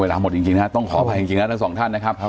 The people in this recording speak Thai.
หมดจริงนะครับต้องขออภัยจริงนะทั้งสองท่านนะครับ